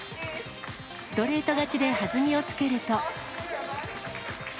ストレート勝ちで弾みをつけると。